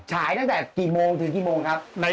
ฉายตั้งแต่กี่โมงถึงกี่โมงครับ